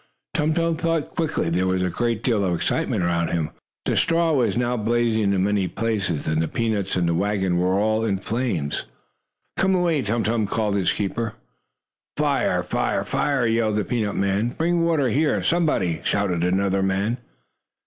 Tum Tum thought quickly. There was a great deal of excitement around him, for the straw was now blazing in many places and the peanuts and wagon were all in flames. "Come away, Tum Tum!" called his keeper. "Fire! Fire! Fire!" yelled the peanut man. "Bring water here, somebody!" shouted another man.